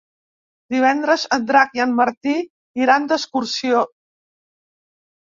Divendres en Drac i en Martí iran d'excursió.